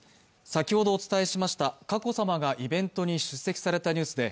先ほどお伝えしました佳子さまがイベントに出席されたニュースで